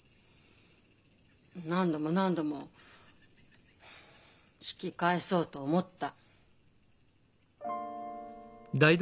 何度も何度も引き返そうと思った。